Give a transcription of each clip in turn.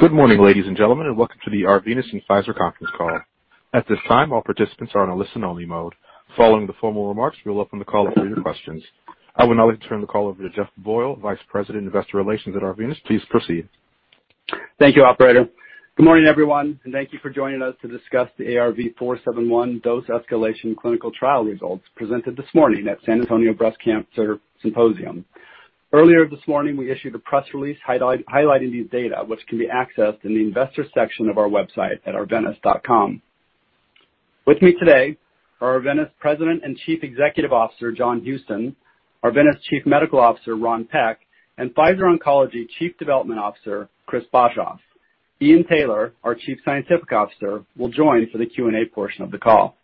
Good morning, ladies and gentlemen, and welcome to the Arvinas and Pfizer conference call. At this time, all participants are in a listen-only mode. Following the formal remarks, we'll open the call up for your questions. I would now like to turn the call over to Jeff Boyle, Vice President Investor Relations at Arvinas. Please proceed. Thank you, operator. Good morning, everyone, and thank you for joining us to discuss the ARV-471 dose escalation clinical trial results presented this morning at San Antonio Breast Cancer Symposium. Earlier this morning, we issued a press release highlighting these data, which can be accessed in the investor section of our website at arvinas.com. With me today are Arvinas President and Chief Executive Officer John Houston, Arvinas Chief Medical Officer Ron Peck, and Pfizer Oncology Chief Development Officer Chris Boshoff. Ian Taylor, our Chief Scientific Officer, will join for the Q&A portion of the call.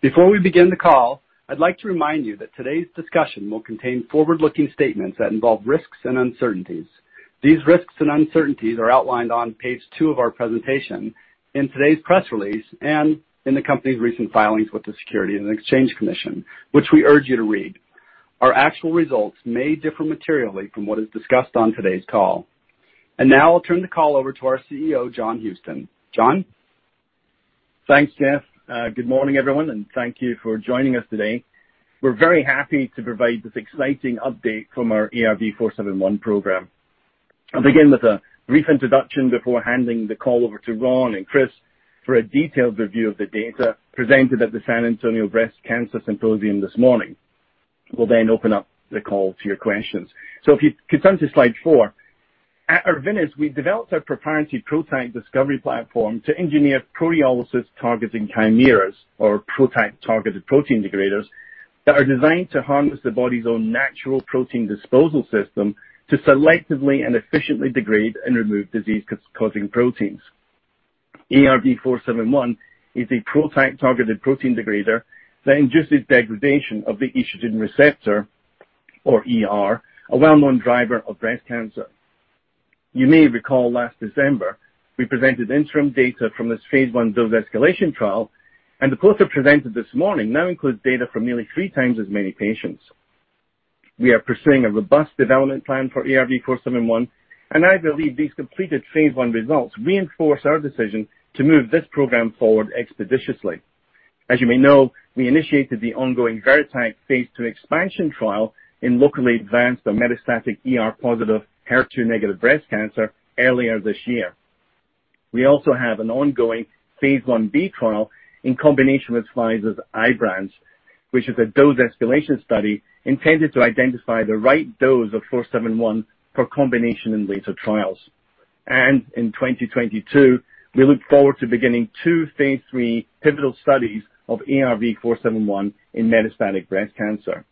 Before we begin the call, I'd like to remind you that today's discussion will contain forward-looking statements that involve risks and uncertainties. These risks and uncertainties are outlined on Page 2 of our presentation in today's press release and in the company's recent filings with the Securities and Exchange Commission, which we urge you to read. Our actual results may differ materially from what is discussed on today's call. Now I'll turn the call over to our CEO, John Houston. John? Thanks, Jeff. Good morning, everyone, and thank you for joining us today. We're very happy to provide this exciting update from our ARV-471 program. I'll begin with a brief introduction before handing the call over to Ron and Chris for a detailed review of the data presented at the San Antonio Breast Cancer Symposium this morning. We'll then open up the call to your questions. If you could turn to slide four. At Arvinas, we've developed our PROTACfinity PROTAC discovery platform to engineer proteolysis targeting chimeras or PROTAC targeted protein degraders that are designed to harness the body's own natural protein disposal system to selectively and efficiently degrade and remove disease-causing proteins. ARV-471 is a PROTAC targeted protein degrader that induces degradation of the estrogen receptor, or ER, a well-known driver of breast cancer. You may recall last December, we presented interim data from this phase I dose escalation trial, and the poster presented this morning now includes data from nearly 3x as many patients. We are pursuing a robust development plan for ARV-471, and I believe these completed phase I results reinforce our decision to move this program forward expeditiously. As you may know, we initiated the ongoing VERITAC phase II expansion trial in locally advanced or metastatic ER-positive, HER2-negative breast cancer earlier this year. We also have an ongoing phase I-B trial in combination with Pfizer's IBRANCE, which is a dose escalation study intended to identify the right dose of 471 for combination in later trials. In 2022, we look forward to beginning two phase III pivotal studies of ARV-471 in metastatic breast cancer.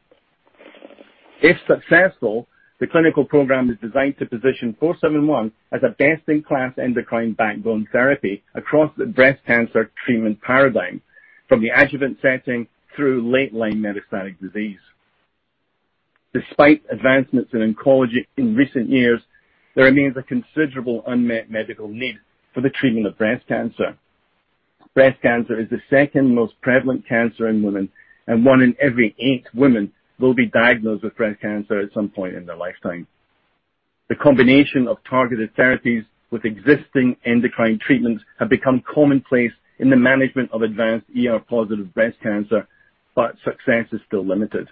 If successful, the clinical program is designed to position 471 as a best-in-class endocrine backbone therapy across the breast cancer treatment paradigm from the adjuvant setting through late-line metastatic disease. Despite advancements in oncology in recent years, there remains a considerable unmet medical need for the treatment of breast cancer. Breast cancer is the second most prevalent cancer in women, and one in every eight women will be diagnosed with breast cancer at some point in their lifetime. The combination of targeted therapies with existing endocrine treatments have become commonplace in the management of advanced ER-positive breast cancer, but success is still limited.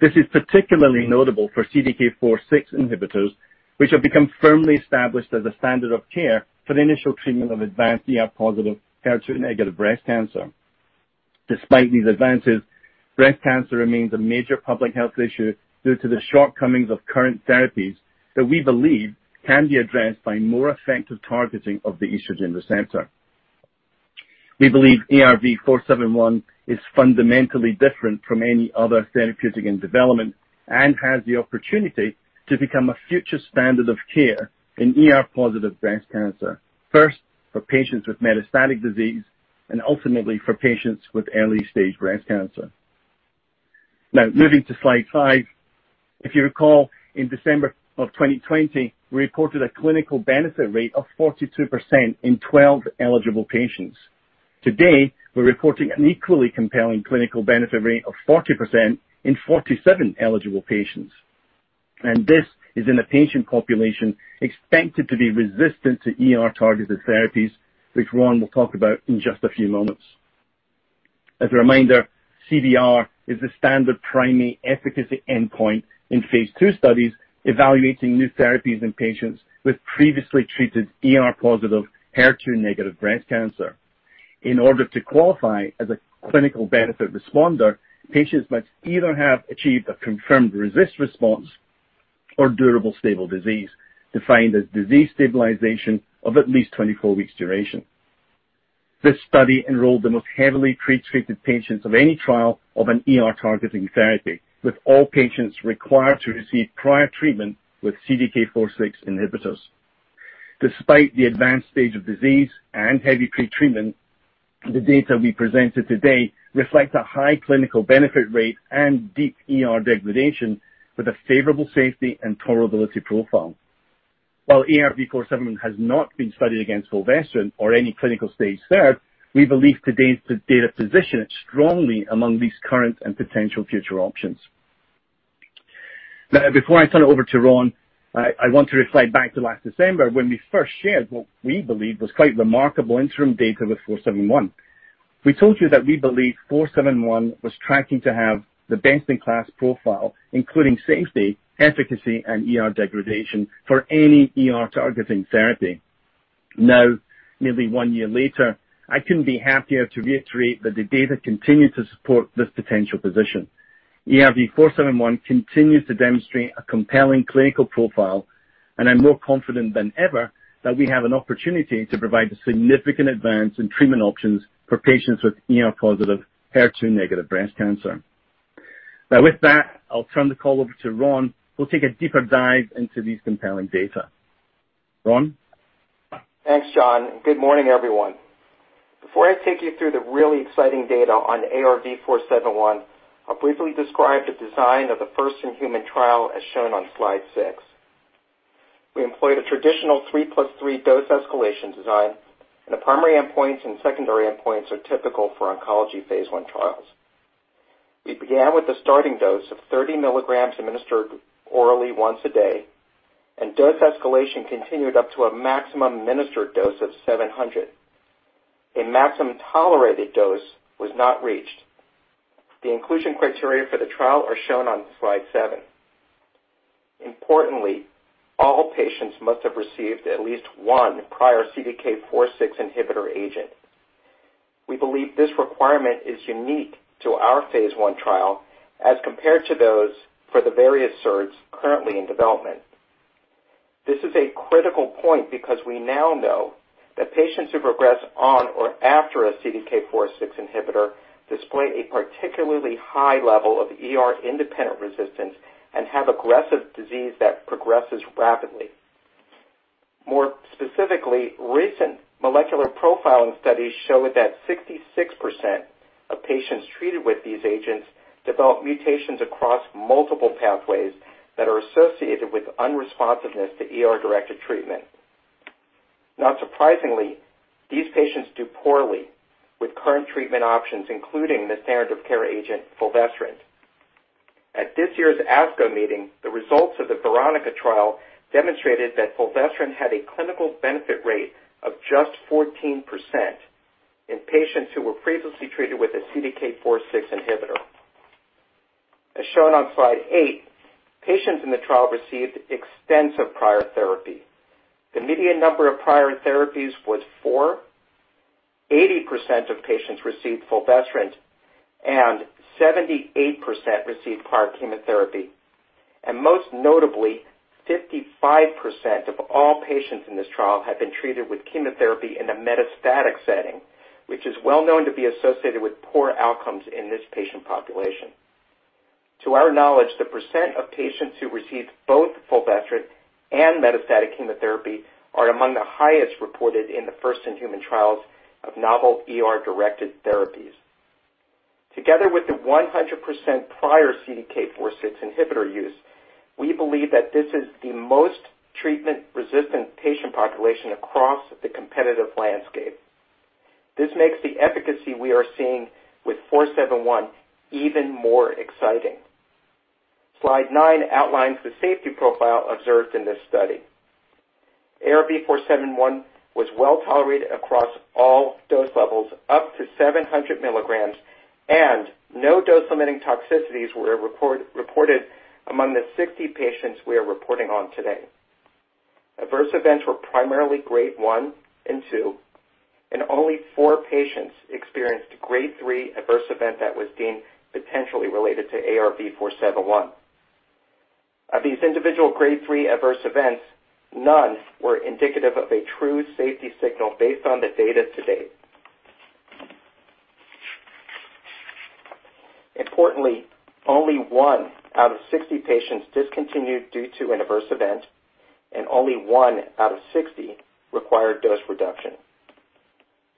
This is particularly notable for CDK4/6 inhibitors, which have become firmly established as a standard of care for the initial treatment of advanced ER-positive, HER2-negative breast cancer. Despite these advances, breast cancer remains a major public health issue due to the shortcomings of current therapies that we believe can be addressed by more effective targeting of the estrogen receptor. We believe ARV-471 is fundamentally different from any other therapeutic in development and has the opportunity to become a future standard of care in ER-positive breast cancer, first for patients with metastatic disease and ultimately for patients with early-stage breast cancer. Now, moving to Slide 5. If you recall, in December of 2020, we reported a clinical benefit rate of 42% in 12 eligible patients. Today, we're reporting an equally compelling clinical benefit rate of 40% in 47 eligible patients. This is in a patient population expected to be resistant to ER-targeted therapies, which Ron will talk about in just a few moments. As a reminder, CBR is the standard primary efficacy endpoint in phase II studies evaluating new therapies in patients with previously treated ER+, HER2- breast cancer. In order to qualify as a clinical benefit responder, patients must either have achieved a confirmed RECIST response or durable stable disease, defined as disease stabilization of at least 24 weeks duration. This study enrolled the most heavily pre-treated patients of any trial of an ER targeting therapy, with all patients required to receive prior treatment with CDK4/6 inhibitors. Despite the advanced stage of disease and heavy pretreatment, the data we presented today reflect a high clinical benefit rate and deep ER degradation with a favorable safety and tolerability profile. While ARV-471 has not been studied against fulvestrant or any clinical-stage SERD, we believe today's data position it strongly among these current and potential future options. Now, before I turn it over to Ron, I want to reflect back to last December when we first shared what we believed was quite remarkable interim data with 471. We told you that we believed 471 was tracking to have the best-in-class profile, including safety, efficacy, and ER degradation for any ER-targeting therapy. Now, nearly one year later, I couldn't be happier to reiterate that the data continue to support this potential position. ARV-471 continues to demonstrate a compelling clinical profile, and I'm more confident than ever that we have an opportunity to provide a significant advance in treatment options for patients with ER+, HER2- breast cancer. Now, with that, I'll turn the call over to Ron, who'll take a deeper dive into these compelling data. Ron? Thanks, John, and good morning, everyone. Before I take you through the really exciting data on ARV-471, I'll briefly describe the design of the first-in-human trial as shown on Slide 6. We employed a traditional 3+3 dose escalation design, and the primary endpoints and secondary endpoints are typical for oncology phase I trials. We began with a starting dose of 30 mg administered orally once a day, and dose escalation continued up to a maximum administered dose of 700 mg. A maximum tolerated dose was not reached. The inclusion criteria for the trial are shown on Slide 7. Importantly, all patients must have received at least one prior CDK4/6 inhibitor agent. We believe this requirement is unique to our phase I trial as compared to those for the various SERDs currently in development. This is a critical point because we now know that patients who progress on or after a CDK4/6 inhibitor display a particularly high level of ER-independent resistance and have aggressive disease that progresses rapidly. More specifically, recent molecular profiling studies show that 66% of patients treated with these agents develop mutations across multiple pathways that are associated with unresponsiveness to ER-directed treatment. Not surprisingly, these patients do poorly with current treatment options, including the standard of care agent fulvestrant. At this year's ASCO meeting, the results of the VERONICA trial demonstrated that fulvestrant had a clinical benefit rate of just 14% in patients who were previously treated with a CDK4/6 inhibitor. As shown on Slide 8, patients in the trial received extensive prior therapy. The median number of prior therapies was four. 80% of patients received fulvestrant, and 78% received prior chemotherapy. Most notably, 55% of all patients in this trial had been treated with chemotherapy in a metastatic setting, which is well-known to be associated with poor outcomes in this patient population. To our knowledge, the percent of patients who received both fulvestrant and metastatic chemotherapy are among the highest reported in the first-in-human trials of novel ER-directed therapies. Together with the 100% prior CDK4/6 inhibitor use, we believe that this is the most treatment-resistant patient population across the competitive landscape. This makes the efficacy we are seeing with 471 even more exciting. Slide 9 outlines the safety profile observed in this study. ARV-471 was well-tolerated across all dose levels, up to 700 mg, and no dose-limiting toxicities were reported among the 60 patients we are reporting on today. Adverse events were primarily Grade 1 and 2, and only four patients experienced a Grade 3 adverse event that was deemed potentially related to ARV-471. Of these individual Grade 3 adverse events, none were indicative of a true safety signal based on the data to date. Importantly, only 1 out of 60 patients discontinued due to an adverse event, and only 1 out of 60 required dose reduction.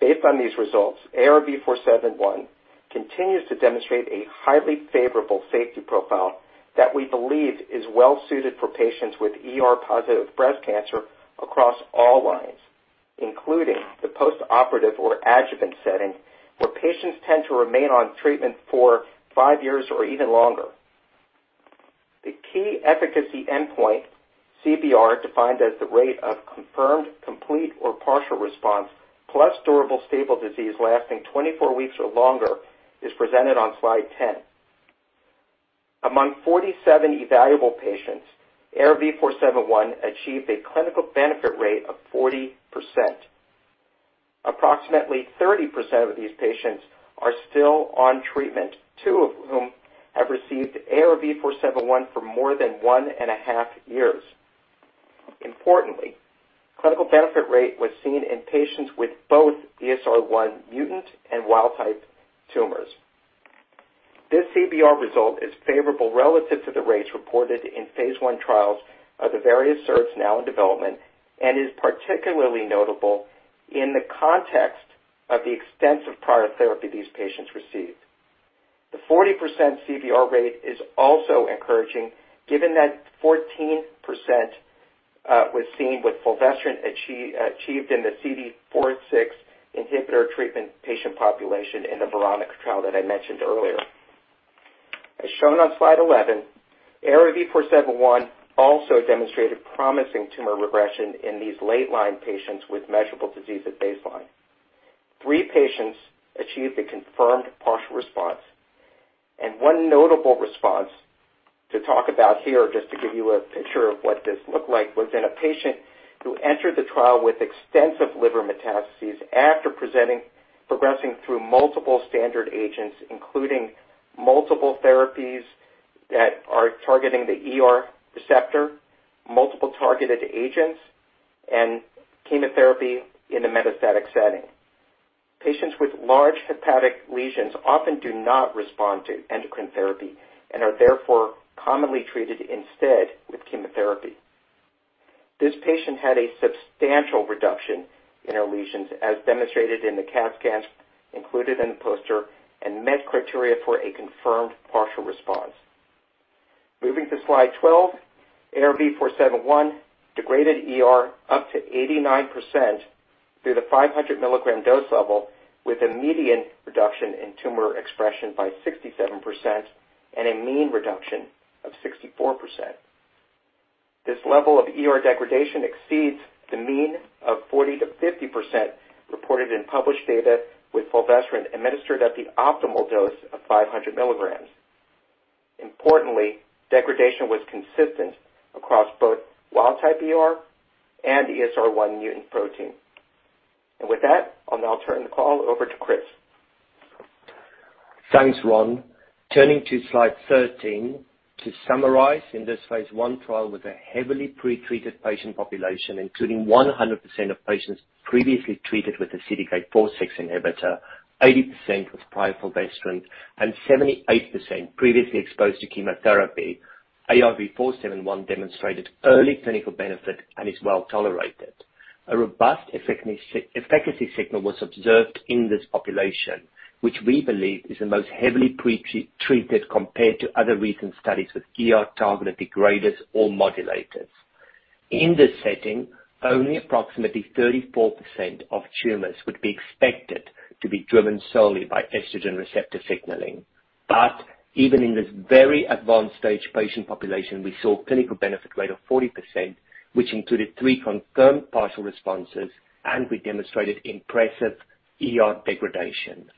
Based on these results, ARV-471 continues to demonstrate a highly favorable safety profile that we believe is well-suited for patients with ER+ breast cancer across all lines, including the postoperative or adjuvant setting, where patients tend to remain on treatment for five years or even longer. The key efficacy endpoint, CBR, defined as the rate of confirmed complete or partial response plus durable stable disease lasting 24 weeks or longer, is presented on Slide 10. Among 47 evaluable patients, ARV-471 achieved a clinical benefit rate of 40%. Approximately 30% of these patients are still on treatment, two of whom have received ARV-471 for more than 1.5 years. Importantly, clinical benefit rate was seen in patients with both ESR1 mutant and wild type tumors. This CBR result is favorable relative to the rates reported in phase I trials of the various SERDs now in development and is particularly notable in the context of the extensive prior therapy these patients received. The 40% CBR rate is also encouraging given that 14% was seen with fulvestrant achieved in the CDK4/6 inhibitor treatment patient population in the VERONICA trial that I mentioned earlier. As shown on Slide 11, ARV-471 also demonstrated promising tumor regression in these late line patients with measurable disease at baseline. Three patients achieved a confirmed partial response and one notable response to talk about here, just to give you a picture of what this looked like, was in a patient who entered the trial with extensive liver metastases after progressing through multiple standard agents, including multiple therapies that are targeting the ER receptor, multiple targeted agents, and chemotherapy in the metastatic setting. Patients with large hepatic lesions often do not respond to endocrine therapy and are therefore commonly treated instead with chemotherapy. This patient had a substantial reduction in her lesions, as demonstrated in the CT scans included in the poster and met criteria for a confirmed partial response. Moving to Slide 12, ARV-471 degraded ER up to 89% through the 500 mg dose level with a median reduction in tumor expression by 67% and a mean reduction of 64%. This level of ER degradation exceeds the mean of 40%-50% reported in published data with fulvestrant administered at the optimal dose of 500 mg. Importantly, degradation was consistent across both wild type ER and ESR1 mutant protein. With that, I'll now turn the call over to Chris. Thanks, Ron. Turning to Slide 13, to summarize, in this phase I trial with a heavily pre-treated patient population, including 100% of patients previously treated with a CDK4/6 inhibitor, 80% with prior fulvestrant, and 78% previously exposed to chemotherapy, ARV-471 demonstrated early clinical benefit and is well-tolerated. A robust efficacy signal was observed in this population, which we believe is the most heavily pre-treated compared to other recent studies with ER targeted degraders or modulators. In this setting, only approximately 34% of tumors would be expected to be driven solely by estrogen receptor signaling. Even in this very advanced stage patient population, we saw clinical benefit rate of 40%, which included three confirmed partial responses, and we demonstrated impressive ER degradation.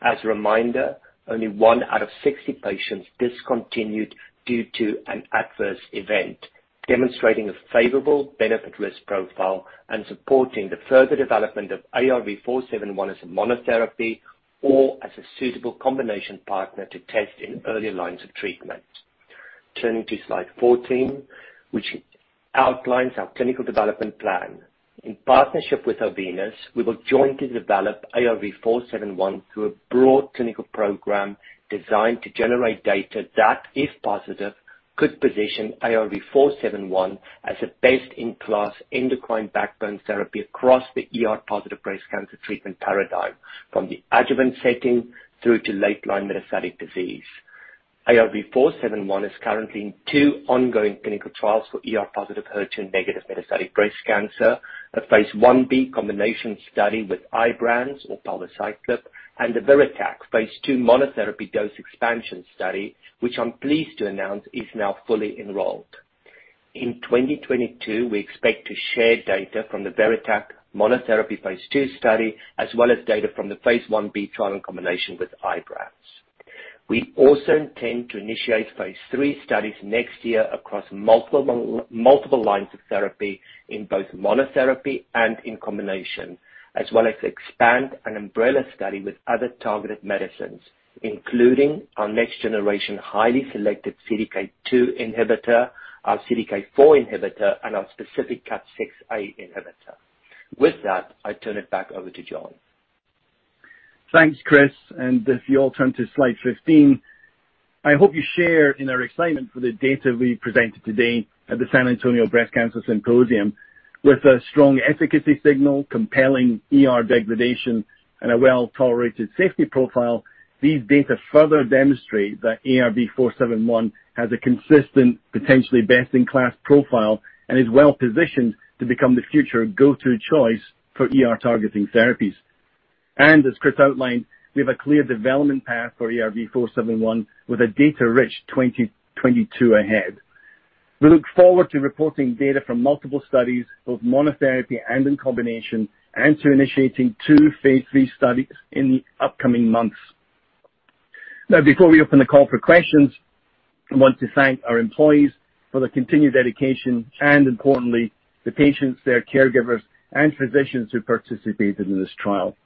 As a reminder, only 1 out of 60 patients discontinued due to an adverse event, demonstrating a favorable benefit risk profile and supporting the further development of ARV-471 as a monotherapy or as a suitable combination partner to test in early lines of treatment. Turning to Slide 14, which outlines our clinical development plan. In partnership with Arvinas, we will jointly develop ARV-471 through a broad clinical program designed to generate data that, if positive, could position ARV-471 as a best-in-class endocrine backbone therapy across the ER positive breast cancer treatment paradigm from the adjuvant setting through to late line metastatic disease. ARV-471 is currently in two ongoing clinical trials for ER+, HER2- metastatic breast cancer, a phase I-B combination study with IBRANCE or palbociclib, and the VERITAC phase II monotherapy dose expansion study, which I'm pleased to announce is now fully enrolled. In 2022, we expect to share data from the VERITAC monotherapy phase II study as well as data from the phase I-B trial in combination with IBRANCE. We also intend to initiate phase III studies next year across multiple lines of therapy in both monotherapy and in combination, as well as expand an umbrella study with other targeted medicines, including our next generation highly selected CDK2 inhibitor, our CDK4 inhibitor, and our specific KAT6A inhibitor. With that, I turn it back over to John. Thanks, Chris. If you all turn to Slide 15, I hope you share in our excitement for the data we presented today at the San Antonio Breast Cancer Symposium with a strong efficacy signal, compelling ER degradation, and a well-tolerated safety profile. These data further demonstrate that ARV-471 has a consistent, potentially best in class profile and is well positioned to become the future go-to choice for ER targeting therapies. As Chris outlined, we have a clear development path for ARV-471 with a data rich 2022 ahead. We look forward to reporting data from multiple studies, both monotherapy and in combination, and to initiating two phase III studies in the upcoming months. Now before we open the call for questions, I want to thank our employees for their continued dedication and importantly, the patients, their caregivers, and physicians who participated in this trial.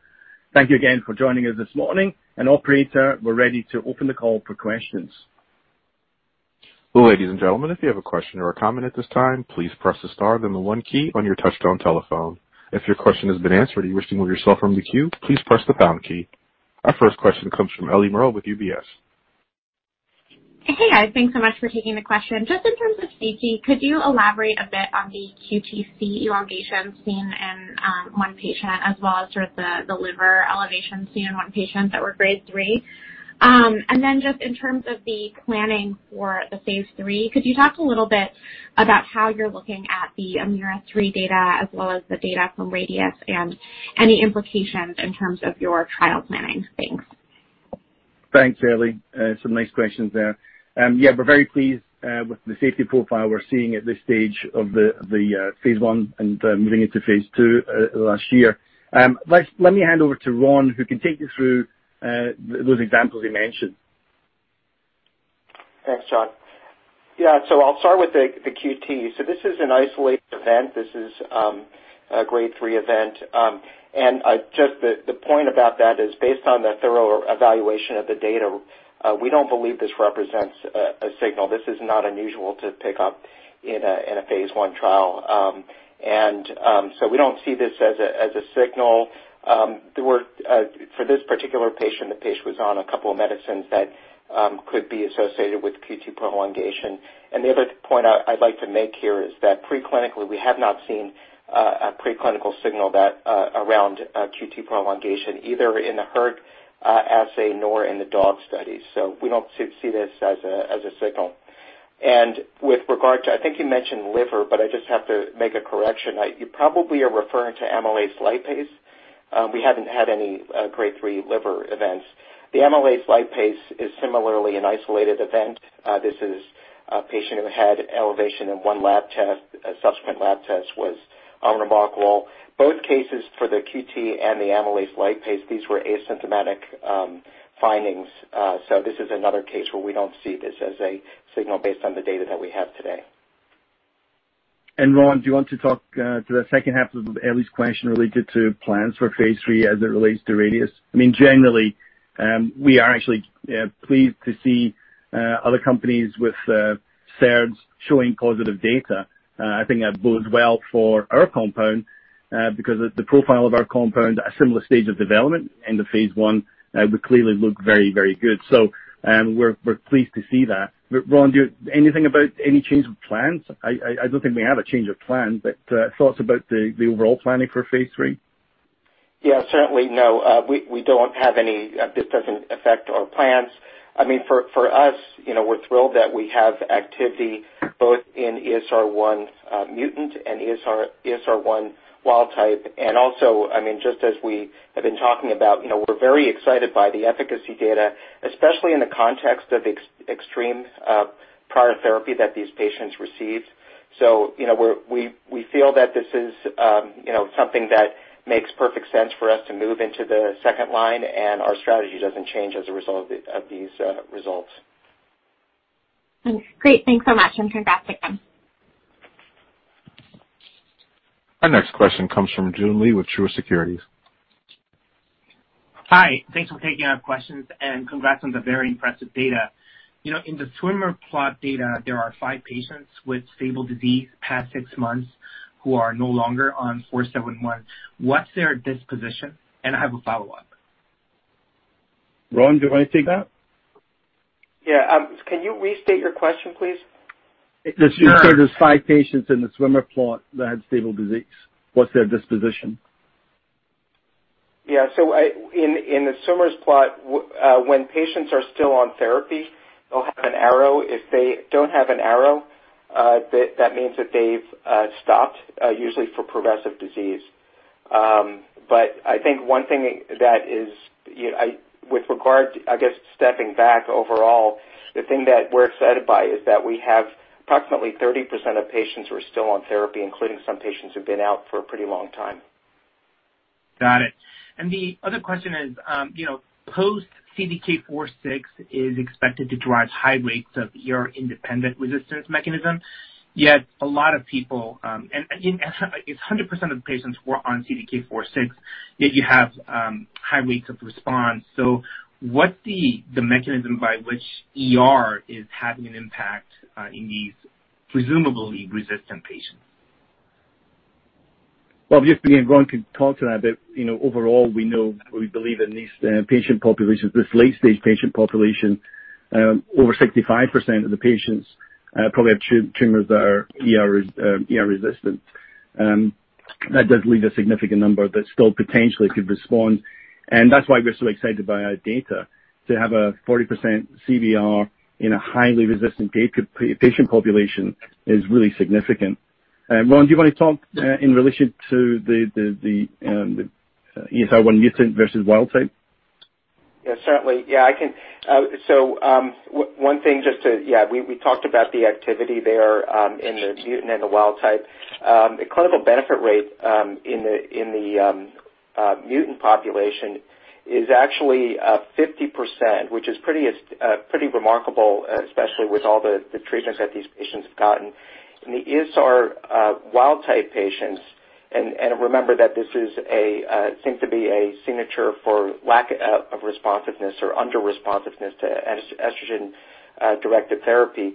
Thank you again for joining us this morning. Operator, we're ready to open the call for questions. Ladies and gentlemen, if you have a question or a comment at this time, please press the Star then the one key on your touch-tone telephone. If your question has been answered and you wish to remove yourself from the queue, please press the Pound key. Our first question comes from Ellie Merle with UBS. Hey guys, thanks so much for taking the question. Just in terms of safety, could you elaborate a bit on the QTc prolongation seen in one patient as well as sort of the liver elevation seen in one patient that were Grade 3? Just in terms of the planning for the phase III, could you talk a little bit about how you're looking at the AMEERA-3 data as well as the data from RADIUS and any implications in terms of your trial planning? Thanks. Thanks, Ellie. Some nice questions there. Yeah, we're very pleased with the safety profile we're seeing at this stage of the phase I and moving into phase II last year. Let me hand over to Ron, who can take you through those examples you mentioned. Thanks, John. Yeah. I'll start with the QT. This is an isolated event. This is a grade three event. The point about that is, based on the thorough evaluation of the data, we don't believe this represents a signal. This is not unusual to pick up in a phase I trial. We don't see this as a signal. There were, for this particular patient, the patient was on a couple of medicines that could be associated with QT prolongation. The other point I'd like to make here is that preclinically, we have not seen a preclinical signal that around QT prolongation, either in the hERG assay nor in the dog studies. We don't see this as a signal. With regard to, I think you mentioned liver, but I just have to make a correction. You probably are referring to amylase lipase. We haven't had any grade three liver events. The amylase lipase is similarly an isolated event. This is a patient who had elevation in one lab test. A subsequent lab test was unremarkable. Both cases for the QT and the amylase lipase, these were asymptomatic findings. This is another case where we don't see this as a signal based on the data that we have today. Ron, do you want to talk to the second half of Ellie's question related to plans for phase III as it relates to RADIUS? I mean, generally, we are actually pleased to see other companies with SERDs showing positive data. I think that bodes well for our compound because the profile of our compound at a similar stage of development in the phase I would clearly look very, very good. So, we're pleased to see that. Ron, do you have anything about any change of plans? I don't think we have a change of plan, but thoughts about the overall planning for phase III. Yeah. Certainly no. We don't have any. This doesn't affect our plans. I mean, for us, you know, we're thrilled that we have activity both in ESR1 mutant and ESR1 wild type. Also, I mean, just as we have been talking about, you know, we're very excited by the efficacy data, especially in the context of extreme prior therapy that these patients received. You know, we feel that this is something that makes perfect sense for us to move into the second line, and our strategy doesn't change as a result of these results. Thanks. Great. Thanks so much, and congrats again. Our next question comes from Joon Lee with Truist Securities. Hi. Thanks for taking our questions, and congrats on the very impressive data. You know, in the swimmer plot data, there are five patients with stable disease past six months who are no longer on 471. What's their disposition? I have a follow-up. Ron, do you wanna take that? Yeah. Can you restate your question, please? Sure. There's 5 patients in the swimmer plot that had stable disease. What's their disposition? In the swimmers plot, when patients are still on therapy, they'll have an arrow. If they don't have an arrow, that means that they've stopped, usually for progressive disease. I think one thing that is, you know, with regard to, I guess, stepping back overall, the thing that we're excited by is that we have approximately 30% of patients who are still on therapy, including some patients who've been out for a pretty long time. Got it. The other question is, you know, post CDK4/6 is expected to drive high rates of ER-independent resistance mechanism, yet a lot of people, and it's 100% of the patients who are on CDK4/6, yet you have high rates of response. So what's the mechanism by which ER is having an impact in these presumably resistant patients? Well, just again, Ron can talk to that, but you know, overall, we know, we believe in these patient populations, this late-stage patient population, over 65% of the patients probably have tumors that are ER-resistant. That does leave a significant number that still potentially could respond, and that's why we're so excited by our data. To have a 40% CBR in a highly resistant patient population is really significant. Ron, do you wanna talk in relation to the ESR1 mutant versus wild type? One thing just to, we talked about the activity there in the mutant and the wild type. The clinical benefit rate in the mutant population is actually 50%, which is pretty remarkable, especially with all the treatments that these patients have gotten. In the ESR wild type patients, remember that this seems to be a signature for lack of responsiveness or underresponsiveness to estrogen directed therapy,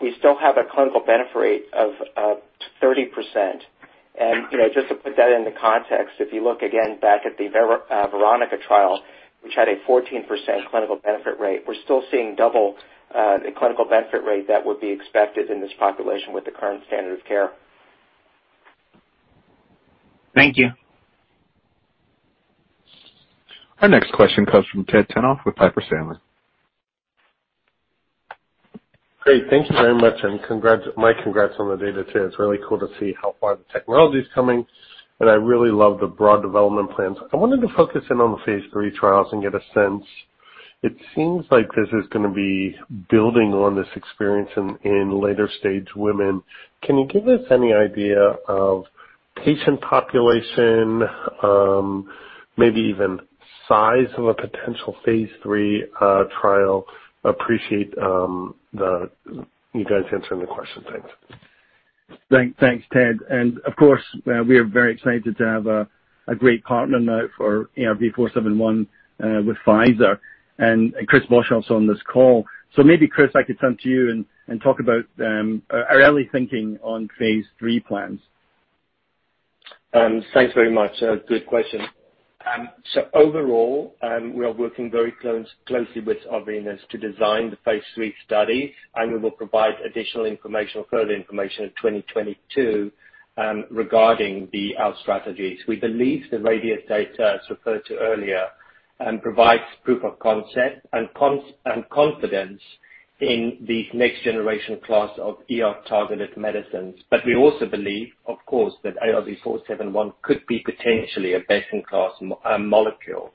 we still have a clinical benefit rate of 30%. You know, just to put that into context, if you look again back at the VERONICA trial, which had a 14% clinical benefit rate, we're still seeing double the clinical benefit rate that would be expected in this population with the current standard of care. Thank you. Our next question comes from Ted Tenthoff with Piper Sandler. Great. Thank you very much, and congrats. My congrats on the data too. It's really cool to see how far the technology is coming, and I really love the broad development plans. I wanted to focus in on the phase III trials and get a sense. It seems like this is gonna be building on this experience in later stage women. Can you give us any idea of patient population, maybe even size of a potential phase III trial? I appreciate you guys answering the question. Thanks. Thanks, Ted. Of course, we are very excited to have a great partner now for ARV-471 with Pfizer. Chris Boshoff's on this call. Maybe Chris, I could turn to you and talk about our early thinking on phase III plans. Thanks very much. Good question. So overall, we are working very closely with Arvinas to design the phase III study, and we will provide additional information or further information in 2022 regarding our strategies. We believe the RADIATE data as referred to earlier provides proof of concept and confidence in the next generation class of ER-targeted medicines. We also believe, of course, that ARV-471 could be potentially a best in class molecule.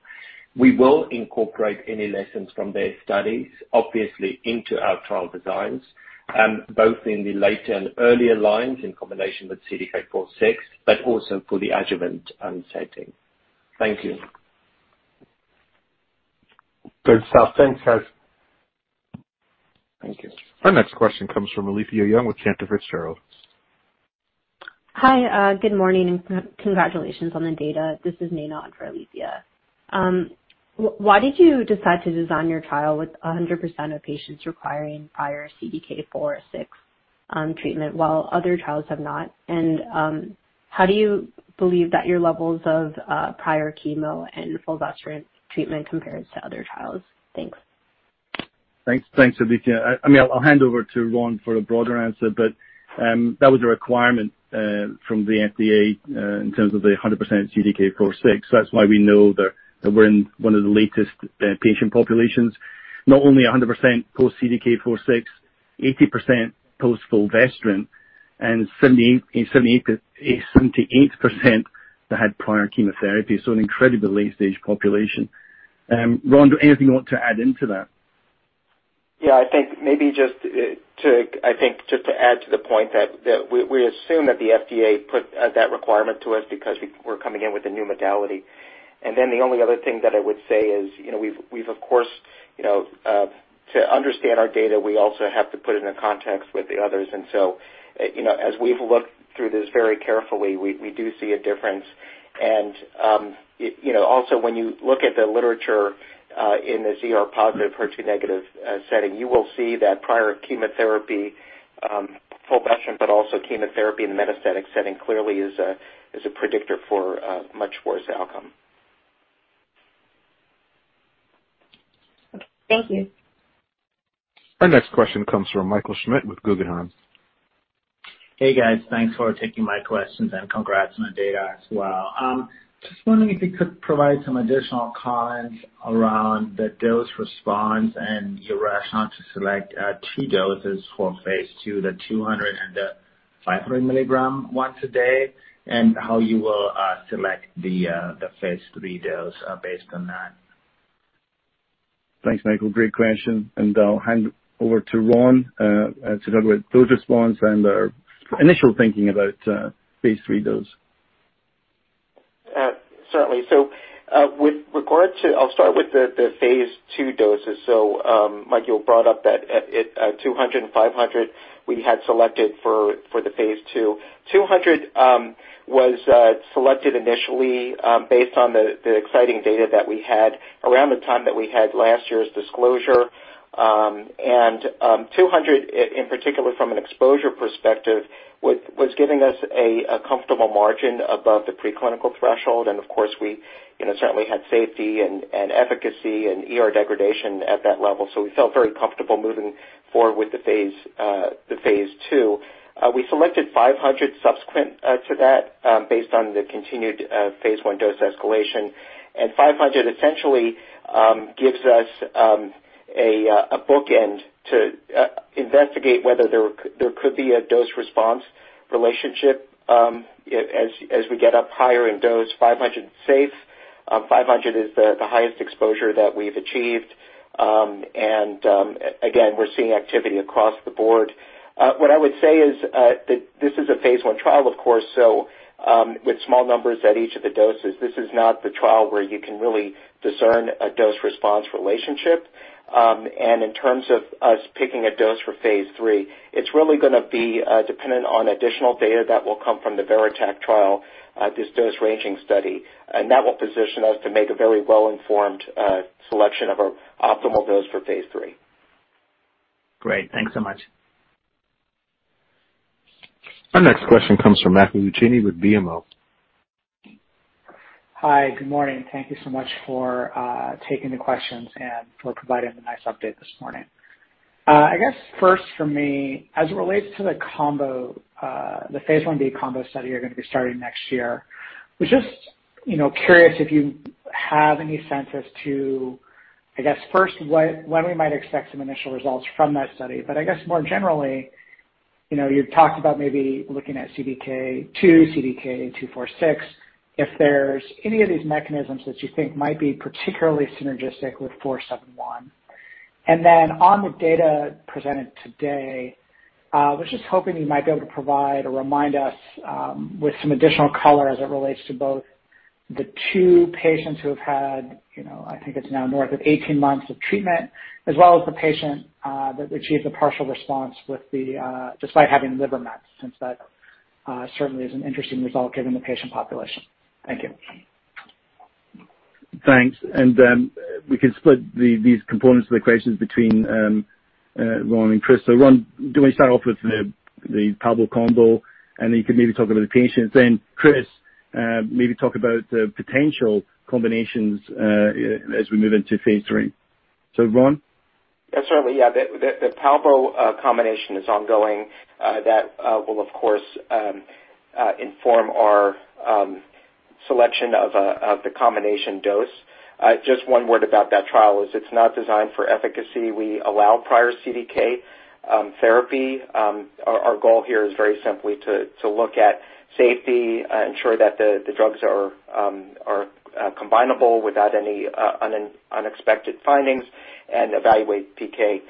We will incorporate any lessons from their studies, obviously into our trial designs, both in the later and earlier lines in combination with CDK4/6, but also for the adjuvant setting. Thank you. Good stuff. Thanks, Chris. Thank you. Our next question comes from Alethia Young with Cantor Fitzgerald. Hi, good morning and congratulations on the data. This is Naynaad for Alethia. Why did you decide to design your trial with 100% of patients requiring prior CDK4/6 treatment while other trials have not? How do you believe that your levels of prior chemo and fulvestrant treatment compares to other trials? Thanks. Thanks. Thanks, Alethia. I mean, I'll hand over to Ron for a broader answer, but that was a requirement from the FDA in terms of the 100% CDK4/6. So that's why we know that we're in one of the latest patient populations, not only 100% post CDK4/6, 80% post fulvestrant and 78% that had prior chemotherapy, so an incredibly late stage population. Ron, do anything you want to add into that? Yeah, I think maybe just to add to the point that we assume that the FDA put that requirement to us because we're coming in with a new modality. The only other thing that I would say is we've of course to understand our data, we also have to put it in context with the others. You know, as we've looked through this very carefully, we do see a difference. You know, also, when you look at the literature in the ER-positive, HER2- setting, you will see that prior chemotherapy, fulvestrant but also chemotherapy in the metastatic setting clearly is a predictor for a much worse outcome. Thank you. Our next question comes from Michael Schmidt with Guggenheim. Hey, guys. Thanks for taking my questions and congrats on the data as well. Just wondering if you could provide some additional comments around the dose response and your rationale to select two doses for phase II, the 200 mg and the 500 mg once a day, and how you will select the phase III dose based on that? Thanks, Michael. Great question, and I'll hand over to Ron to talk about dose response and our initial thinking about phase III dose. Certainly. With regard to, I'll start with the phase II doses. Michael, you brought up that at 200 mg and 500 mg we had selected for the phase II. 200 mg was selected initially based on the exciting data that we had around the time that we had last year's disclosure. 200 mg in particular from an exposure perspective was giving us a comfortable margin above the preclinical threshold. Of course, we you know certainly had safety and efficacy and ER degradation at that level. We felt very comfortable moving forward with the phase II. We selected 500 mg subsequent to that based on the continued phase I dose escalation. 500 mg essentially gives us a bookend to investigate whether there could be a dose-response relationship as we get up higher in dose. 500 mg is safe. 500 mg is the highest exposure that we've achieved. We're seeing activity across the board. What I would say is that this is a phase I trial of course so with small numbers at each of the doses. This is not the trial where you can really discern a dose-response relationship. In terms of us picking a dose for phase III, it's really gonna be dependent on additional data that will come from the VERITAC trial, this dose-ranging study. That will position us to make a very well-informed selection of our optimal dose for phase III. Great. Thanks so much. Our next question comes from Matthew Luchini with BMO. Hi. Good morning. Thank you so much for taking the questions and for providing a nice update this morning. I guess first for me, as it relates to the combo, the phase I-B combo study you're gonna be starting next year, I was just, you know, curious if you have any sense as to, I guess, first, when we might expect some initial results from that study, but I guess more generally, you know, you've talked about maybe looking at CDK2, CDK4/6, if there's any of these mechanisms that you think might be particularly synergistic with 471. On the data presented today, was just hoping you might be able to provide or remind us with some additional color as it relates to both the two patients who have had, you know, I think it's now north of 18 months of treatment, as well as the patient that achieved the partial response with the, despite having liver mets, since that certainly is an interesting result given the patient population. Thank you. Thanks. We can split these components of the questions between Ron and Chris. Ron, do you wanna start off with the palbo combo, and then you can maybe talk about the patients, then Chris, maybe talk about the potential combinations as we move into phase III. Ron? Yeah, certainly, yeah. The palbo combination is ongoing. That will of course inform our selection of the combination dose. Just one word about that trial is it's not designed for efficacy. We allow prior CDK therapy. Our goal here is very simply to look at safety, ensure that the drugs are combinable without any unexpected findings and evaluate PK.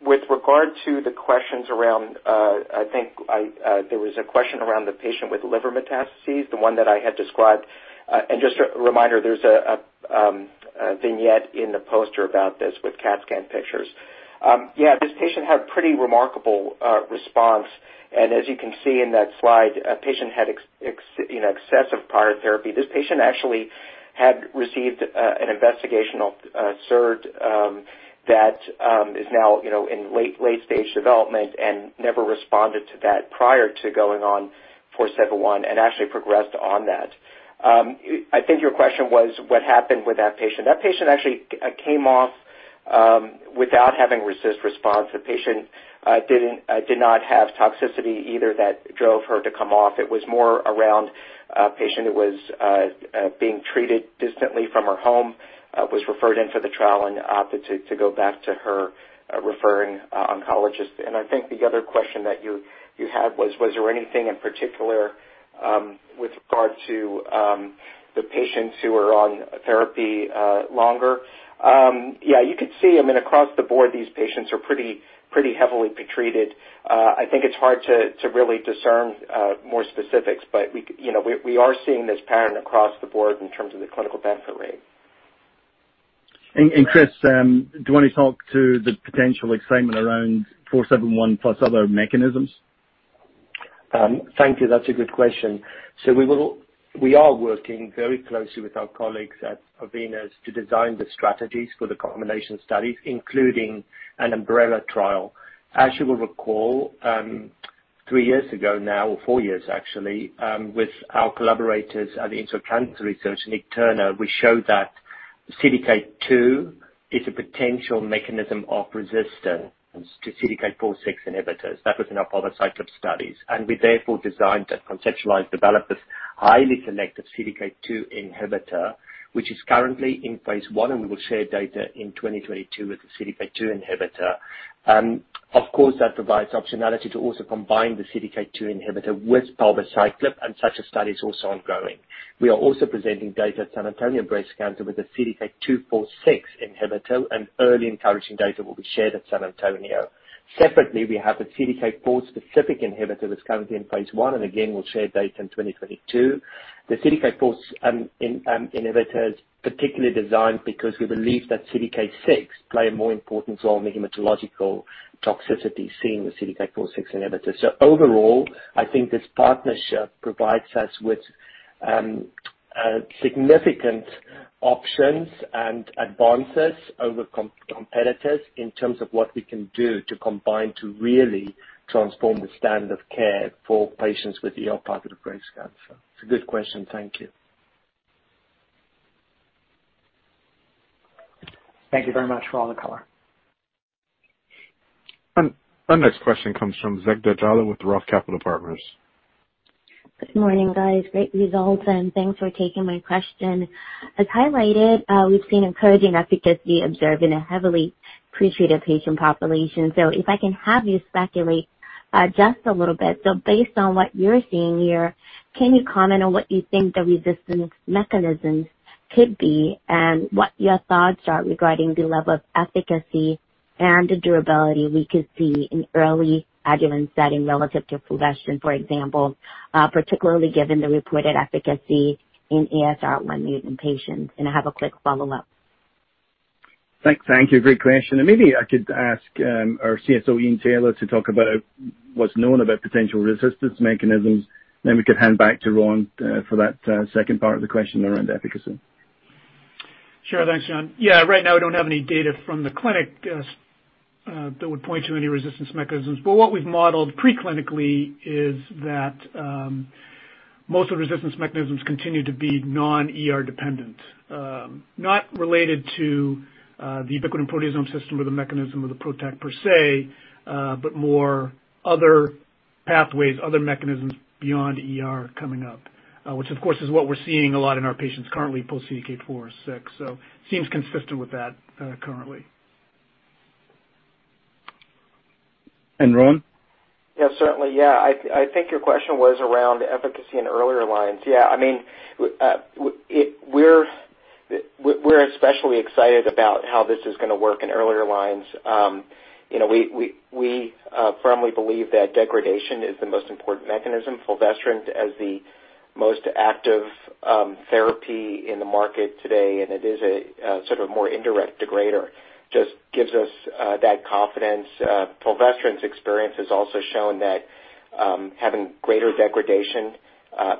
With regard to the questions around, I think there was a question around the patient with liver metastases, the one that I had described. Just a reminder, there's a vignette in the poster about this with CAT scan pictures. Yeah, this patient had pretty remarkable response. As you can see in that slide, a patient had excessive prior therapy. This patient actually had received an investigational SERD that is now, you know, in late stage development and never responded to that prior to going on 471 and actually progressed on that. I think your question was what happened with that patient. That patient actually came off without having response. The patient did not have toxicity either that drove her to come off. It was more around a patient who was being treated distantly from her home, was referred into the trial and opted to go back to her referring oncologist. I think the other question that you had was there anything in particular with regard to the patients who are on therapy longer? Yeah, you could see, I mean, across the board, these patients are pretty heavily pretreated. I think it's hard to really discern more specifics, but you know, we are seeing this pattern across the board in terms of the clinical benefit rate. Chris, do you wanna talk to the potential excitement around 471 plus other mechanisms? Thank you. That's a good question. We are working very closely with our colleagues at Arvinas to design the strategies for the combination studies, including an umbrella trial. As you will recall, three years ago now, or four years actually, with our collaborators at the Institute of Cancer Research, Nicholas Turner, we showed that CDK2 is a potential mechanism of resistance to CDK4/6 inhibitor s. That was in our VERITAC studies. We therefore designed and conceptualized, developed this highly selective CDK2 inhibitor, which is currently in phase I, and we will share data in 2022 with the CDK2 inhibitor. Of course, that provides optionality to also combine the CDK2 inhibitor with palbociclib, and such a study is also ongoing. We are also presenting data at San Antonio Breast Cancer with a CDK 2/4/6 inhibitor, and early encouraging data will be shared at San Antonio. Separately, we have a CDK 4 specific inhibitor that's currently in phase I, and again, we'll share data in 2022. The CDK 4 inhibitor is particularly designed because we believe that CDK 6 plays a more important role in the hematological toxicity seen with CDK 4/6 inhibitors. Overall, I think this partnership provides us with significant options and advances over competitors in terms of what we can do to combine to really transform the standard of care for patients with ER-positive breast cancer. It's a good question. Thank you. Thank you very much for all the color. Our next question comes from Zegbeh Jallah with Roth Capital Partners. Good morning, guys. Great results, and thanks for taking my question. As highlighted, we've seen encouraging efficacy observed in a heavily pretreated patient population. If I can have you speculate just a little bit. Based on what you're seeing here, can you comment on what you think the resistance mechanisms could be and what your thoughts are regarding the level of efficacy and the durability we could see in early adjuvant setting relative to fulvestrant, for example, particularly given the reported efficacy in ESR1 mutant patients? I have a quick follow-up. Thank you. Great question. Maybe I could ask our CSO, Ian Taylor, to talk about what's known about potential resistance mechanisms, then we could hand back to Ron for that second part of the question around efficacy. Sure. Thanks, John. Yeah, right now I don't have any data from the clinic that would point to any resistance mechanisms, but what we've modeled pre-clinically is that most of the resistance mechanisms continue to be non-ER dependent, not related to the ubiquitin proteasome system or the mechanism of the PROTAC per se, but more other pathways, other mechanisms beyond ER coming up. Which of course is what we're seeing a lot in our patients currently post CDK4/6. Seems consistent with that, currently. Ron? Yeah, certainly, yeah. I think your question was around efficacy in earlier lines. Yeah, I mean, we're especially excited about how this is gonna work in earlier lines. You know, we firmly believe that degradation is the most important mechanism with fulvestrant as the most active therapy in the market today, and it is a sort of a more indirect degrader, just gives us that confidence. Fulvestrant's experience has also shown that having greater degradation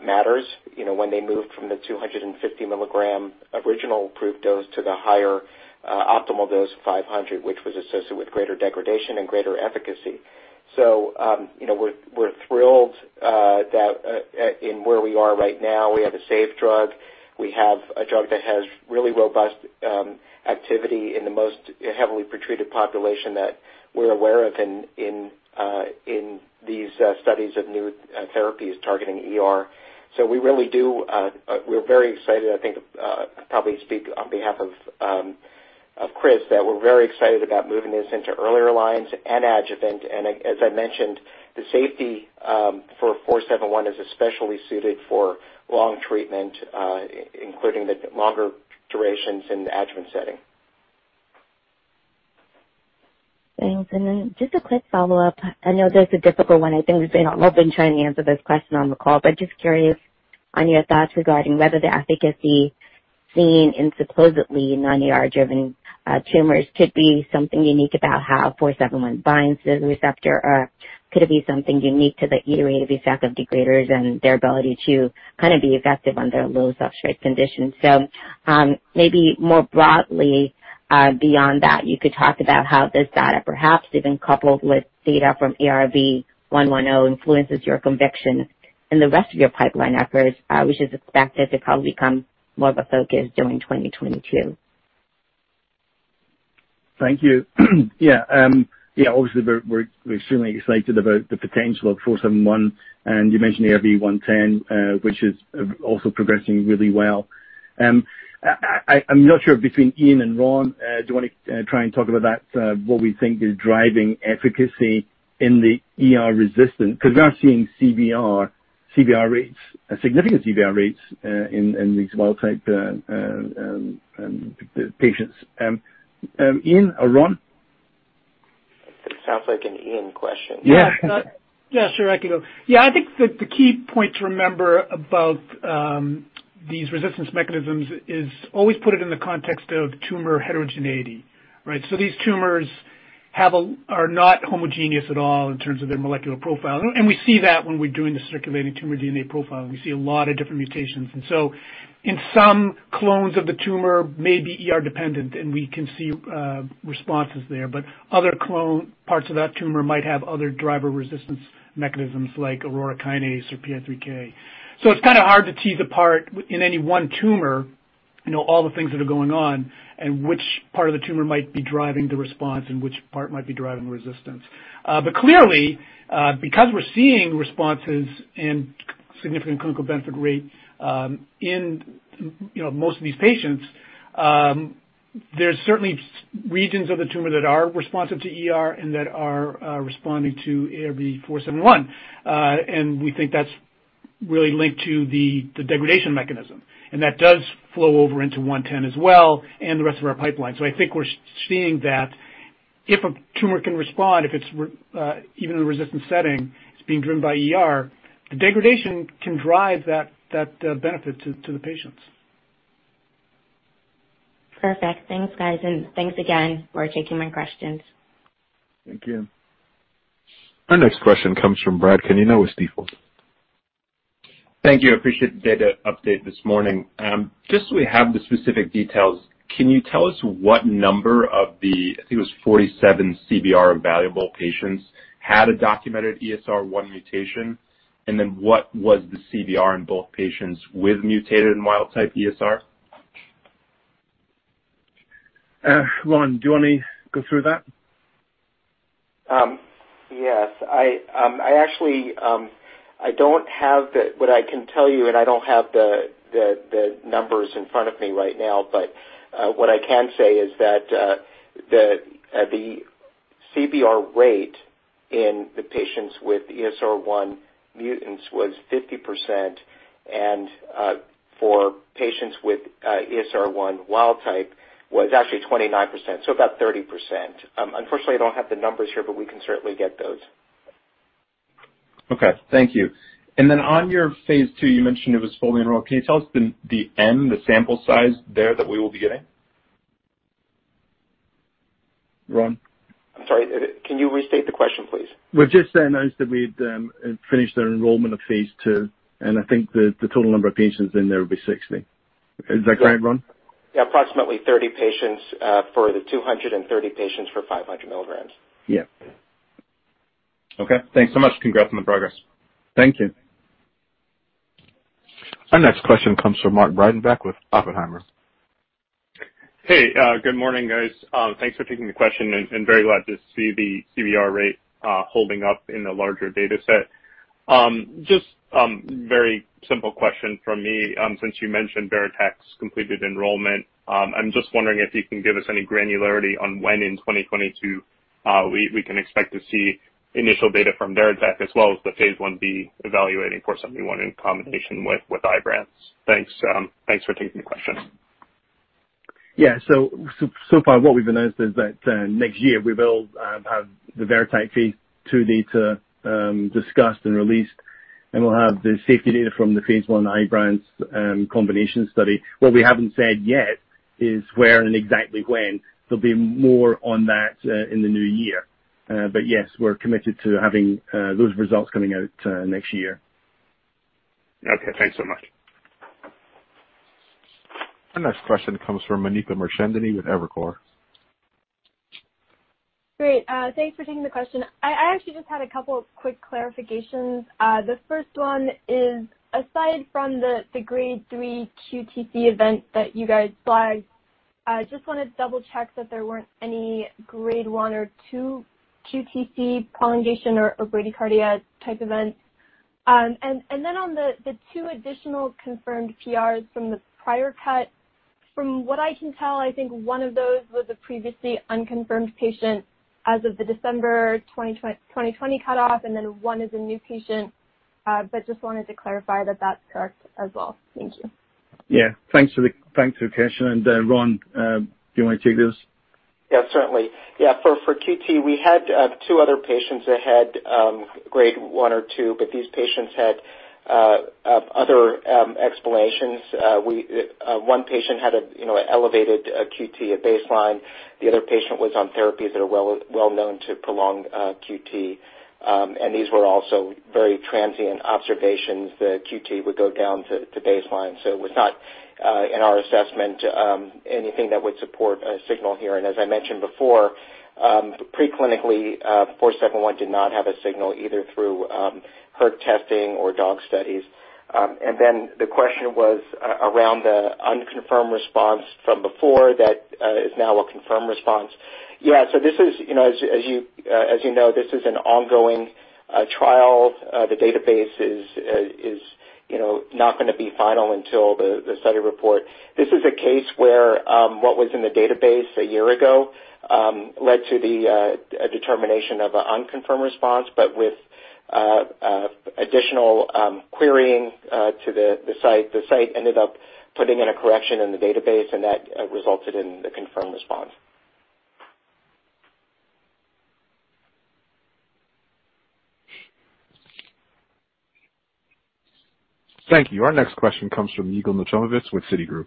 matters. You know, when they moved from the 250 mg original approved dose to the higher optimal dose of 500 mg, which was associated with greater degradation and greater efficacy. You know, we're thrilled with where we are right now. We have a safe drug. We have a drug that has really robust activity in the most heavily pretreated population that we're aware of in these studies of new therapies targeting ER. We really do, we're very excited, I think, probably speak on behalf of Chris, that we're very excited about moving this into earlier lines and adjuvant. As I mentioned, the safety for 471 is especially suited for long treatment, including the longer durations in the adjuvant setting. Thanks. Just a quick follow-up. I know this is a difficult one. I think we've been attempting to answer this question on the call, but just curious on your thoughts regarding whether the efficacy seen in supposedly non-ER-driven tumors could be something unique about how 471 binds to the receptor. Or could it be something unique to the ER effect of degraders and their ability to kind of be effective under low substrate conditions? Maybe more broadly, beyond that, you could talk about how this data perhaps even coupled with data from ARV-110 influences your conviction in the rest of your pipeline efforts, which is expected to probably become more of a focus during 2022. Thank you. Yeah, yeah, obviously we're extremely excited about the potential of 471, and you mentioned ARV-110, which is also progressing really well. I'm not sure between Ian and Ron, do you wanna try and talk about that, what we think is driving efficacy in the ER-resistant? 'Cause we are seeing significant CBR rates in these wild-type patients. Ian or Ron? It sounds like an Ian question. Yeah. Yeah, sure. I can go. Yeah, I think the key point to remember about these resistance mechanisms is always put it in the context of tumor heterogeneity, right? These tumors are not homogeneous at all in terms of their molecular profile. We see that when we're doing the circulating tumor DNA profiling. We see a lot of different mutations. In some clones of the tumor may be ER dependent, and we can see responses there, but other clone parts of that tumor might have other driver resistance mechanisms like Aurora kinase or PI3K. It's kind of hard to tease apart in any one tumor, you know, all the things that are going on and which part of the tumor might be driving the response and which part might be driving the resistance. Clearly, because we're seeing responses and significant clinical benefit rate, you know, in most of these patients, there's certainly regions of the tumor that are responsive to ER and that are responding to ARV-471. We think that's really linked to the degradation mechanism. That does flow over into ARV-110 as well, and the rest of our pipeline. I think we're seeing that if a tumor can respond, if it's even in a resistant setting, it's being driven by ER, the degradation can drive that benefit to the patients. Perfect. Thanks, guys, and thanks again for taking my questions. Thank you. Our next question comes from Brad Canino with Stifel. Thank you. I appreciate the data update this morning. Just so we have the specific details, can you tell us what number of the, I think it was 47 CBR evaluable patients, had a documented ESR1 mutation? And then what was the CBR in both patients with mutated and wild-type ESR1? Ron, do you want me to go through that? Yes. What I can tell you and I don't have the numbers in front of me right now, but what I can say is that the CBR rate in the patients with ESR1 mutants was 50% and for patients with ESR1 wild type was actually 29%, so about 30%. Unfortunately, I don't have the numbers here, but we can certainly get those. Okay. Thank you. On your phase II, you mentioned it was fully enrolled. Can you tell us the N, the sample size there that we will be getting? Ron? I'm sorry. Can you restate the question, please? We've just announced that we'd finished the enrollment of phase II, and I think the total number of patients in there will be 60. Is that correct, Ron? Yeah. Approximately 30 patients for the 230 patients for 500 milligrams. Yeah. Okay. Thanks so much. Congrats on the progress. Thank you. Our next question comes from Mark Breidenbach with Oppenheimer. Hey, good morning, guys. Thanks for taking the question, and very glad to see the CBR rate holding up in the larger data set. Just very simple question from me. Since you mentioned VERITAC's completed enrollment, I'm just wondering if you can give us any granularity on when in 2022 we can expect to see initial data from VERITAC as well as the phase I-B evaluating 471 in combination with IBRANCE. Thanks, thanks for taking the question. Yeah. So far what we've announced is that next year we will have the VERITAC phase II data discussed and released, and we'll have the safety data from the phase I IBRANCE combination study. What we haven't said yet is where and exactly when. There'll be more on that in the new year. Yes, we're committed to having those results coming out next year. Okay. Thanks so much. Our next question comes from Jonathan Miller with Evercore. Great. Thanks for taking the question. I actually just had a couple of quick clarifications. The first one is, aside from the grade three QTc event that you guys flagged, I just wanted to double check that there weren't any Grade 1 or 2 QTc prolongation or bradycardia type events. Then on the two additional confirmed PRs from the prior cut, from what I can tell, I think one of those was a previously unconfirmed patient as of the December 2020 cutoff, and then one is a new patient, but just wanted to clarify that that's correct as well. Thank you. Thanks for the question. Ron, do you want to take this? Yeah, certainly. Yeah, for QT, we had two other patients that had Grade 1 or 2, but these patients had other explanations. One patient had, you know, elevated QT at baseline. The other patient was on therapies that are well known to prolong QT, and these were also very transient observations. The QT would go down to baseline, so it was not, in our assessment, anything that would support a signal here. As I mentioned before, preclinically, 471 did not have a signal either through hERG testing or dog studies. The question was around the unconfirmed response from before that is now a confirmed response. Yeah, so this is, you know, as you know, this is an ongoing trial. The database is, you know, not gonna be final until the study report. This is a case where what was in the database a year ago led to a determination of an unconfirmed response, but with additional querying to the site, the site ended up putting in a correction in the database, and that resulted in the confirmed response. Thank you. Our next question comes from Yigal Nochomovitz with Citigroup.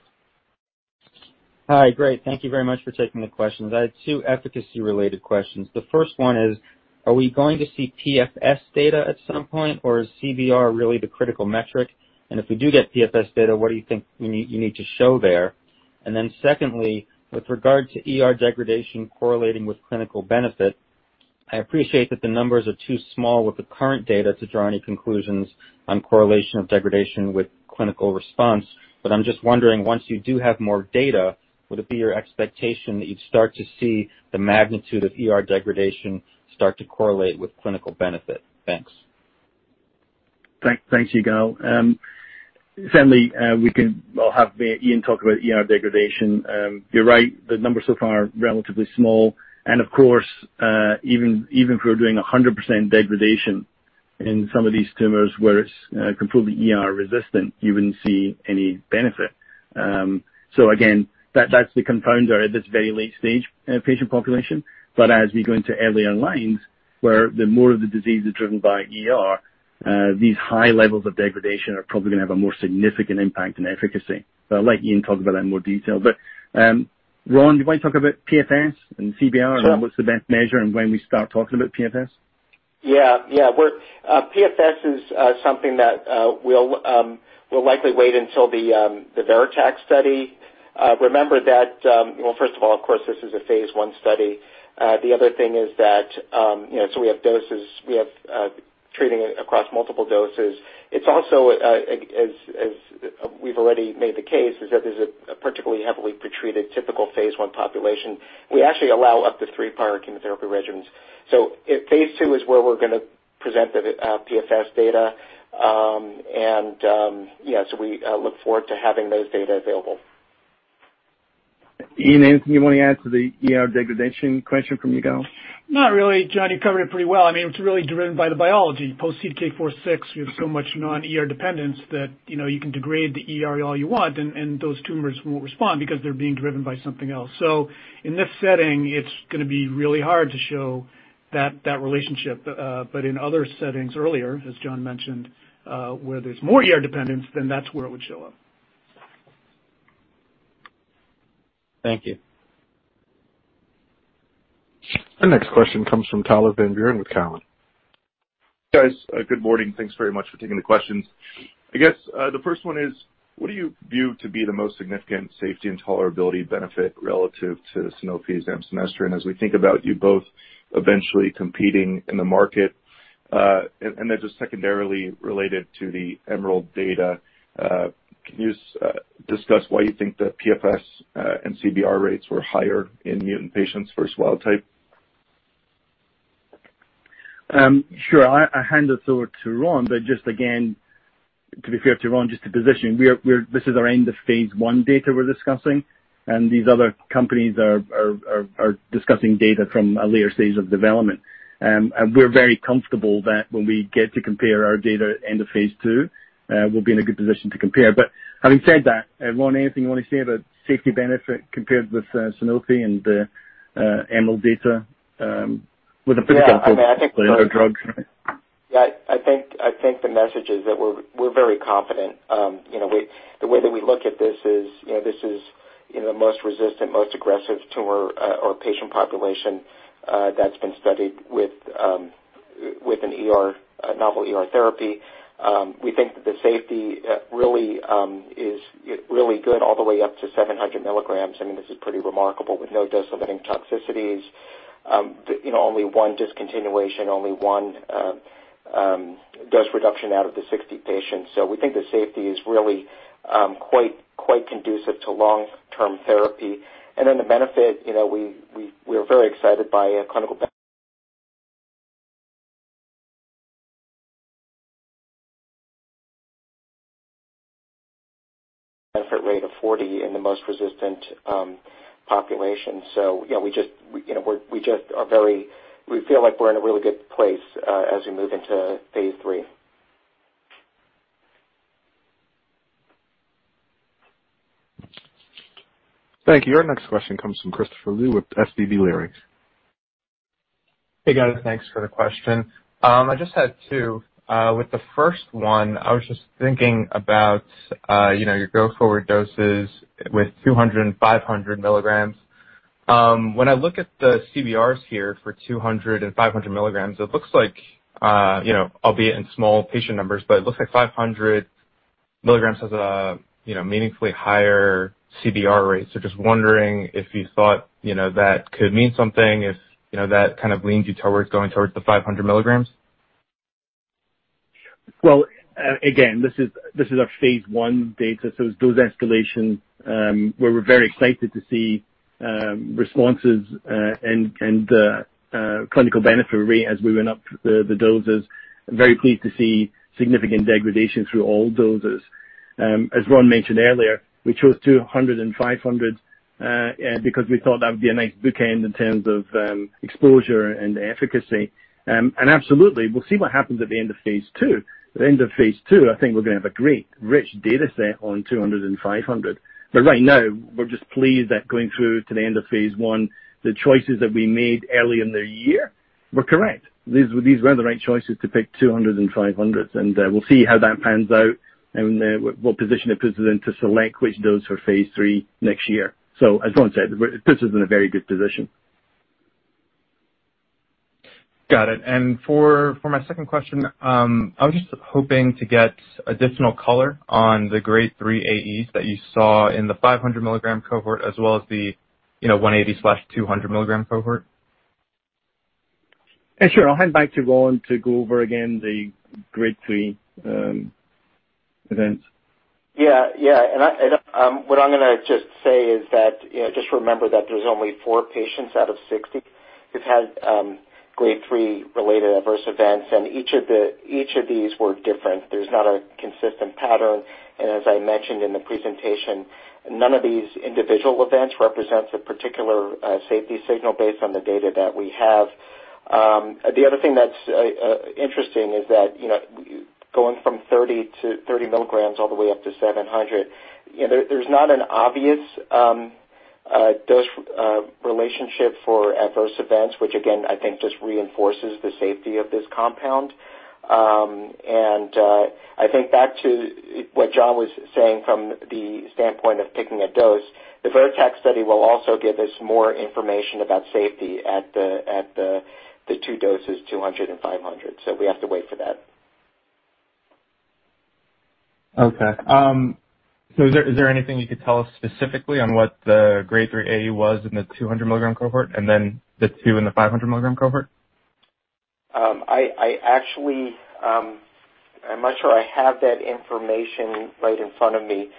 Hi. Great. Thank you very much for taking the questions. I had two efficacy-related questions. The first one is, are we going to see PFS data at some point, or is CBR really the critical metric? And if we do get PFS data, what do you think you need to show there? And then secondly, with regard to ER degradation correlating with clinical benefit, I appreciate that the numbers are too small with the current data to draw any conclusions on correlation of degradation with clinical response. But I'm just wondering, once you do have more data, would it be your expectation that you'd start to see the magnitude of ER degradation start to correlate with clinical benefit? Thanks. Thanks, Yigal. Certainly, I'll have Ian talk about ER degradation. You're right, the numbers so far are relatively small, and of course, even if we're doing 100% degradation in some of these tumors where it's completely ER-resistant, you wouldn't see any benefit. So again, that's the confounder at this very late stage patient population. As we go into earlier lines where the more of the disease is driven by ER, these high levels of degradation are probably gonna have a more significant impact in efficacy. I'll let Ian talk about that in more detail. Ron, do you want to talk about PFS and CBR? Sure. What's the best measure and when we start talking about PFS? Yeah, yeah. PFS is something that we'll likely wait until the VERITAC study. Remember that, well, first of all, of course, this is a phase I study. The other thing is that, you know, so we have doses, we have treating across multiple doses. It's also, as we've already made the case, is that there's a particularly heavily pretreated typical phase I population. We actually allow up to three prior chemotherapy regimens. Phase II is where we're gonna present the PFS data. Yeah, we look forward to having those data available. Ian, anything you want to add to the ER degradation question from Yigal? Not really, John. You covered it pretty well. I mean, it's really driven by the biology. Post CDK4/6, we have so much non-ER dependence that, you know, you can degrade the ER all you want and those tumors won't respond because they're being driven by something else. In this setting, it's gonna be really hard to show that relationship. In other settings earlier, as John mentioned, where there's more ER dependence, then that's where it would show up. Thank you. Our next question comes from Tyler Van Buren with Cowen. Guys, good morning. Thanks very much for taking the questions. I guess, the first one is, what do you view to be the most significant safety and tolerability benefit relative to Sanofi's amcenestrant as we think about you both eventually competing in the market, and then just secondarily related to the EMERALD data, can you discuss why you think the PFS, and CBR rates were higher in mutant patients versus wild type? Sure. I'll hand this over to Ron, but just again, to be fair to Ron, just to position, we're discussing our end of phase I data, and these other companies are discussing data from a later stage of development. We're very comfortable that when we get to compare our data end of phase II, we'll be in a good position to compare. Having said that, Ron, anything you wanna say about safety benefit compared with Sanofi and the EMERALD data, with a- Yeah. I mean, I think. Focus on our drugs. Yeah. I think the message is that we're very confident. You know, the way that we look at this is, you know, this is the most resistant, most aggressive tumor or patient population that's been studied with a novel ER therapy. We think that the safety really is really good all the way up to 700 mg. I mean, this is pretty remarkable with no dose-limiting toxicities. You know, only one discontinuation, only one dose reduction out of the 60 patients. So we think the safety is really quite conducive to long-term therapy. Then the benefit, you know, we we're very excited by a clinical benefit rate of 40 in the most resistant population. You know, we feel like we're in a really good place as we move into phase III. Thank you. Our next question comes from Christopher Liu with SVB Leerink. Hey, guys. Thanks for the question. I just had two. With the first one, I was just thinking about, you know, your go-forward doses with 200 mg and 500 mg. When I look at the CBRs here for 200 mg and 500mg, it looks like, you know, albeit in small patient numbers, but it looks like 500 milligrams has a, you know, meaningfully higher CBR rate. Just wondering if you thought, you know, that could mean something, if, you know, that kind of leans you towards going towards the 500 mg. Well, again, this is our phase I data, so it's dose escalation, where we're very excited to see responses and clinical benefit rate as we went up the doses. Very pleased to see significant degradation through all doses. As Ron mentioned earlier, we chose 200 mg and 500 mg because we thought that would be a nice bookend in terms of exposure and efficacy. Absolutely, we'll see what happens at the end of phase II. At the end of phase II, I think we're gonna have a great, rich data set on 200 mg and 500 mg. But right now, we're just pleased that going through to the end of phase I, the choices that we made early in the year were correct. These were the right choices to pick 200 mg and 500 mg. We'll see how that pans out and what position it puts us in to select which dose for phase III next year. As Ron said, we're this is in a very good position. Got it. For my second question, I was just hoping to get additional color on the Grade 3 AEs that you saw in the 500 mg cohort as well as the, you know, 180/200 mg cohort. Yeah, sure. I'll hand back to Ron to go over again the Grade 3 events. Yeah. What I'm gonna just say is that, you know, just remember that there's only four patients out of 60 who've had Grade 3 related adverse events, and each of these were different. There's not a consistent pattern. As I mentioned in the presentation, none of these individual events represents a particular safety signal based on the data that we have. The other thing that's interesting is that, you know, going from 30 mg-300 mg all the way up to 700, you know, there's not an obvious dose relationship for adverse events, which again, I think just reinforces the safety of this compound. I think back to what John was saying from the standpoint of picking a dose, the VERITAC study will also give us more information about safety at the two doses, 200 mg and 500 mg. We have to wait for that. Okay. Is there anything you could tell us specifically on what the Grade 3 AE was in the 200 mg cohort and then the 2 in the 500 mg cohort? I actually, I'm not sure I have that information right in front of me.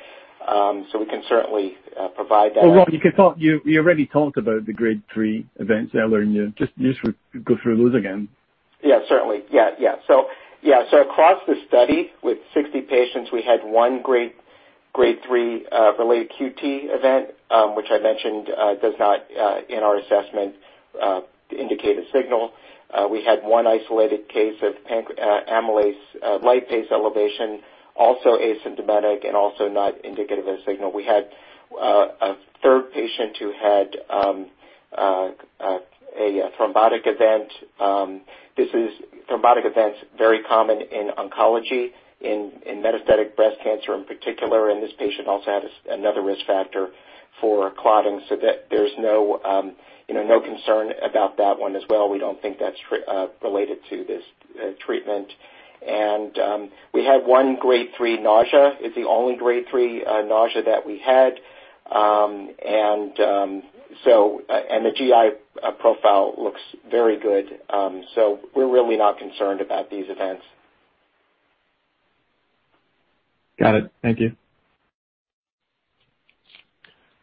We can certainly provide that. Well, Ron, you already talked about the grade 3 events earlier. Just go through those again. Across the study with 60 patients, we had one Grade three related QT event, which I mentioned, does not in our assessment indicate a signal. We had one isolated case of pancreatic amylase, lipase elevation, also asymptomatic and also not indicative of a signal. We had a third patient who had a thrombotic event. Thrombotic event's very common in oncology, in metastatic breast cancer in particular, and this patient also had another risk factor for clotting so that there's no, you know, no concern about that one as well. We don't think that's related to this treatment. We had one Grade 3 nausea. It's the only Grade 3 nausea that we had. the GI profile looks very good. We're really not concerned about these events. Got it. Thank you.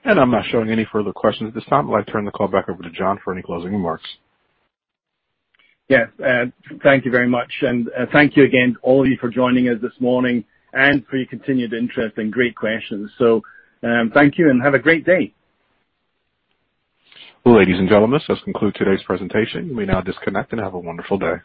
I'm not showing any further questions at this time. I'd like to turn the call back over to John for any closing remarks. Yes. Thank you very much. Thank you again to all of you for joining us this morning and for your continued interest and great questions. Thank you and have a great day. Ladies and gentlemen, this concludes today's presentation. You may now disconnect and have a wonderful day.